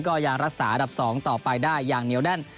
ก็ยังรักษาอันดับ๒ต่อไปได้อย่างเหนียวแน่น